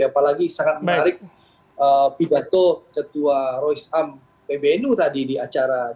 apalagi sangat menarik pidato ketua roy sam pbnu tadi di acara